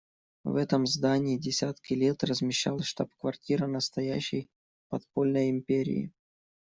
В этом здании десятки лет размещалась штаб-квартира настоящей подпольной империи.